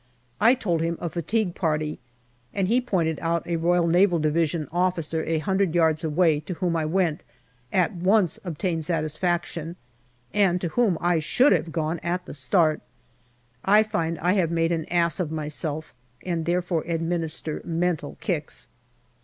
I told him a fatigue party, and he pointe4 out an R.N.D. officer a hundred yards away, to whom I went, at once obtained satisfaction, and to whom I should have gone at the start. I find I have made an ass of myself, and therefore administer mental kicks.